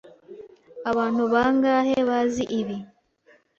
Abantu bangahe bazi ibi?